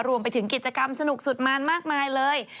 รวมไปถึงกิจกรรมสนุกสุดมานมากมายเลย